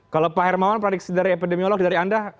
kalau pak hermawan para dikisah epidemiolog dari anda